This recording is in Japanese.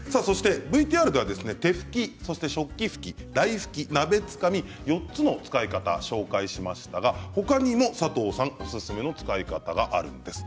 ＶＴＲでは、手拭きそして食器拭き、台拭き鍋つかみと４つの使い方を紹介しましたがほかにも佐藤さんおすすめの使い方があるんです。